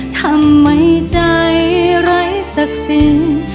ทำให้ใจไร้สักสิ่ง